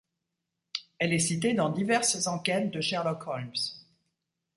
Elle est citée dans diverses enquêtes de Sherlock Holmes.